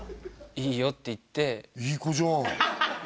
「いいよ」って言っていい子じゃんで？